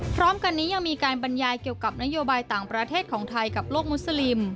พร้อมกันนี้ยังมีการบรรยายเกี่ยวกับนโยบายต่างประเทศของไทยกับโลกมุสลิม